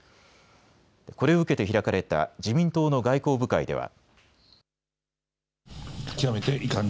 これを受けて開かれた自民党の外交部会では。